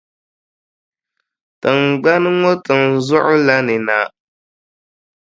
Tiŋgbani ŋɔ tiŋʼ zuɣu la ni na.